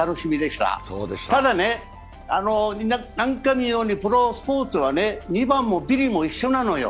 ただね、何回も言うようにプロスポーツは２番もびりも一緒なのよ。